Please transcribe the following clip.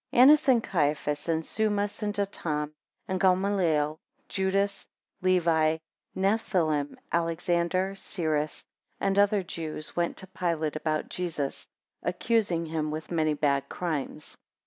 ANNAS and Caiphas, and Summas, and Datam, Gamaliel, Judas, Levi, Nepthalim, Alexander, Cyrus, and other Jews, went to Pilate about Jesus, accusing him with many bad crimes.